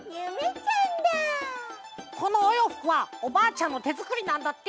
このおようふくはおばあちゃんのてづくりなんだって！